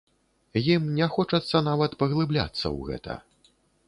Ім не хочацца нават паглыбляцца ў гэта.